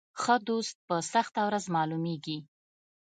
ښه دوست په سخته ورځ معلومیږي.